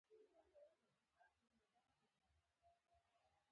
په شعر کې یې هنري اړخ هم پیاوړی و.